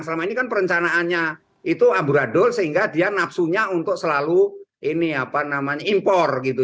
selama ini kan perencanaannya itu amburadul sehingga dia nafsunya untuk selalu impor gitu